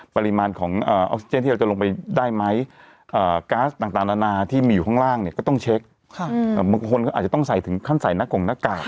บางคนอาจจะต้องใส่ขั้นสายนักลงหน้ากาก